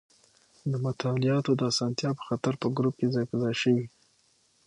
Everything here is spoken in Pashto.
د مطالعاتو د اسانتیا په خاطر په ګروپ کې ځای په ځای شوي.